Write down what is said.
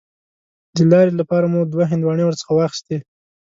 د لارې لپاره مو دوه هندواڼې ورڅخه واخیستې.